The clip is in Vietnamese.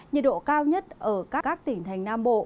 nhiệt độ cao nhất ở các tỉnh thành nam bộ